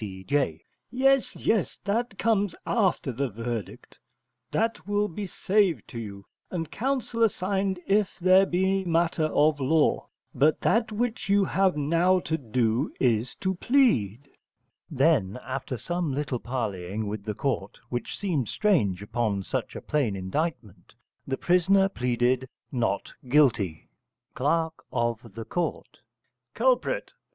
C.J._ Yes, yes, that comes after verdict: that will be saved to you, and counsel assigned if there be matter of law: but that which you have now to do is to plead. Then after some little parleying with the court (which seemed strange upon such a plain indictment) the prisoner pleaded Not Guilty. Cl. of Ct. Culprit.